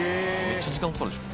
めっちゃ時間かかるでしょ。